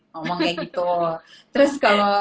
ngomong kayak gitu terus kalau